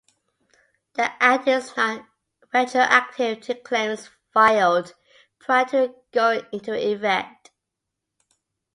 The act is not retroactive to claims filed prior to it going into effect.